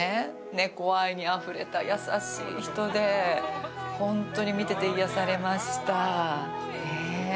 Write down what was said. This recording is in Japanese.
猫愛にあふれた優しい人でホントに見てて癒やされましたねえ。